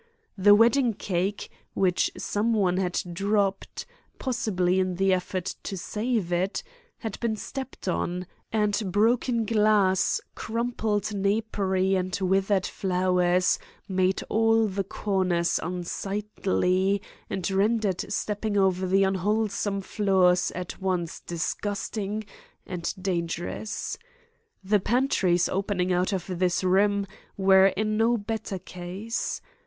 The wedding cake, which some one had dropped, possibly in the effort to save it, had been stepped on; and broken glass, crumpled napery and withered flowers made all the corners unsightly and rendered stepping over the unwholesome floors at once disgusting and dangerous. The pantries opening out of this room were in no better case.